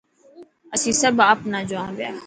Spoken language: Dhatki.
اسين سڀ آپ نا جوا پيا.